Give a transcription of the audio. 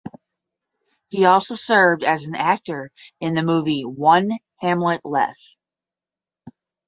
He also served as an actor in the movie "One Hamlet Less".